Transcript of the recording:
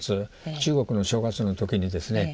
中国の正月の時にですね